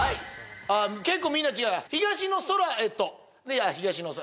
結構みんな違う東の空へと東の空